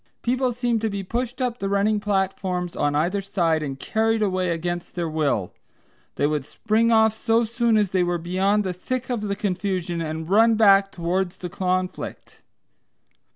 People seemed to be pushed up the running platforms on either side, and carried away against their will. They would spring off so soon as they were beyond the thick of the confusion, and run back towards the conflict.